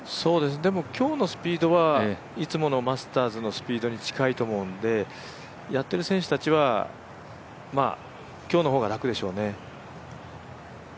でも、今日のスピードはいつものマスターズのスピードに近いと思うんで、やってる選手たちは今日の方が楽でしょうね。